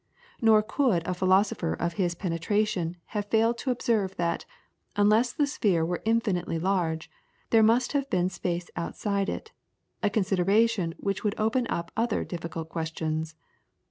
Nor could a philosopher of his penetration have failed to observe that, unless that sphere were infinitely large, there must have been space outside it, a consideration which would open up other difficult questions.